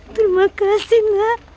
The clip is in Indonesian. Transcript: terima kasih nga